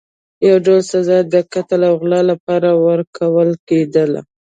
یو ډول سزا د قتل او غلا لپاره ورکول کېدله.